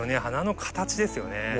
花の形ですよね。